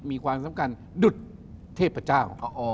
มีความทรัพย์การดุฏเทพเจ้า